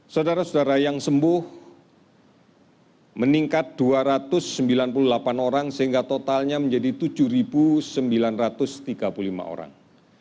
saudara saudara yang sembuh meningkat dua ratus sembilan puluh delapan orang sehingga totalnya menjadi tujuh sembilan ratus tiga puluh lima orang